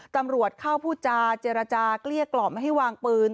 ตำรวจเข้าพูดจาเจรจาเกลี้ยกล่อมให้วางปืน